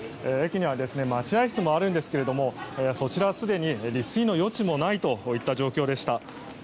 駅には待合室もあるんですけどそちらはすでに立錐の余地もないといった状況でした。